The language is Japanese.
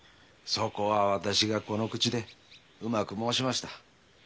そこは私がこの口でうまく申しました。